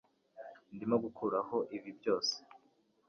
Ndimo gukuraho ibi byose